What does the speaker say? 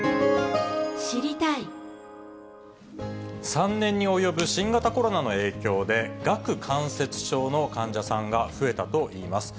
３年に及ぶ新型コロナの影響で、顎関節症の患者さんが増えたといいます。